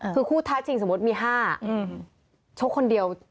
คือคู่ท้าชิงสมมุติมี๕ชกคนเดียว